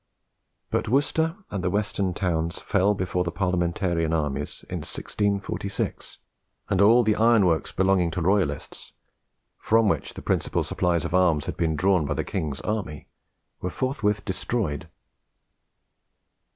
But Worcester and the western towns fell before the Parliamentarian armies in 1646, and all the iron works belonging to royalists, from which the principal supplies of arms had been drawn by the King's army, were forthwith destroyed.